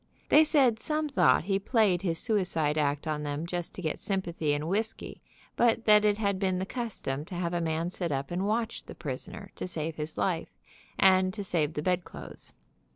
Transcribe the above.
They said some thought he played his suicide act on them just to get sympathy and whisky, but that it had been the custom to have a man sit up and watch the prisoner to save his life, and to save the bedclothes.